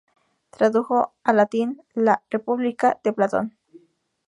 Tradujo al latín la "República" de Platón.